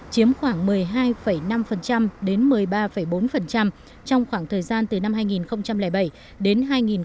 chiếm khoảng một mươi hai năm đến một mươi ba bốn trong khoảng thời gian từ năm hai nghìn bảy đến hai nghìn một mươi bảy